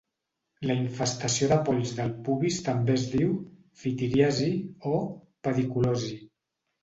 La infestació de polls del pubis també es diu "ftiriasi" o "pediculosi".